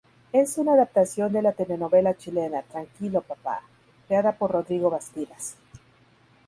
Es una adaptación de la telenovela chilena "Tranquilo papá" creada por Rodrigo Bastidas.